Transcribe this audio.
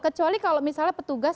kecuali kalau misalnya petugas